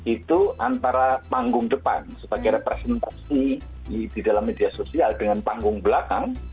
itu antara panggung depan sebagai representasi di dalam media sosial dengan panggung belakang